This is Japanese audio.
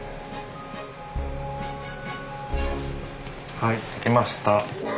はい出来ました。